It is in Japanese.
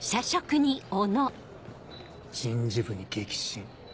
人事部に激震。